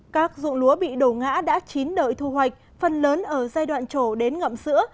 các dụng lúa bị đổ ngã đã chín đợi thu hoạch phần lớn ở giai đoạn trổ đến ngậm sữa